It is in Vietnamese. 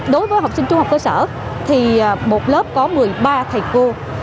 đối với học sinh trung học cơ sở thì một lớp có một mươi ba thầy cô